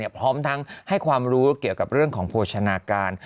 พร้อมทั้งให้ความรู้เกี่ยวกับเรื่องของโภชนาการ